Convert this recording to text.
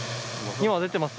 今出てます？